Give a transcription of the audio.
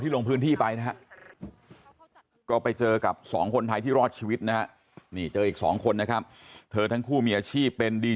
มีคนที่อยู่ด้านในบนชั้น๑๗ขนาดนี้เลยแหละครับที่ออกมาได้